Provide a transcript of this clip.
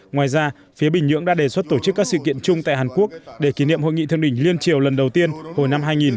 ngoài ra phía bình nhưỡng đã đề xuất tổ chức các sự kiện chung tại hàn quốc để kỷ niệm hội nghị thương đỉnh liên triều lần đầu tiên hồi năm hai nghìn một